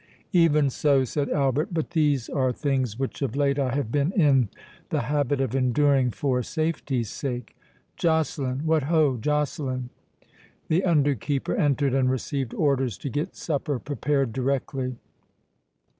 "Even so," said Albert; "but these are things which of late I have been in the habit of enduring for safety's sake." "Joceline!—what ho, Joceline!" The under keeper entered, and received orders to get supper prepared directly.